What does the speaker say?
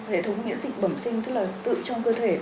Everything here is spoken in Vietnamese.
hệ thống miễn dịch bẩm sinh tức là tự trong cơ thể